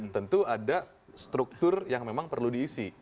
tentu ada struktur yang memang perlu diisi